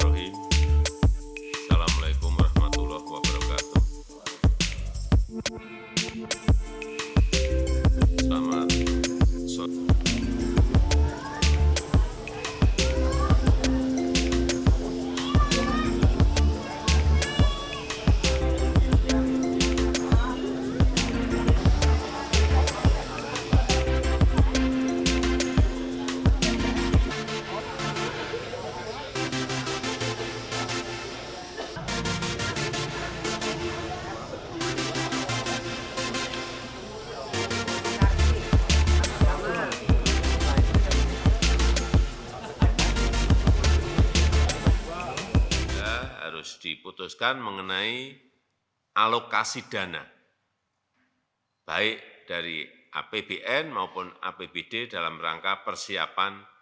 kita harus diputuskan mengenai alokasi dana baik dari apbn maupun apbd dalam rangka persiapan